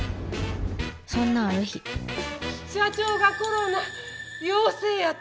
そんなある日社長がコロナ陽性やて。